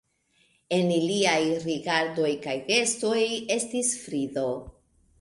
En iliaj rigardoj kaj gestoj estis frido.